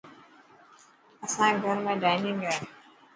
اسائي گهر ۾ ڊائنگ هي.